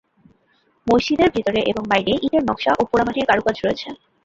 মসজিদের ভেতরে এবং বাইরে ইটের নকশা ও পোড়ামাটির কারুকাজ রয়েছে।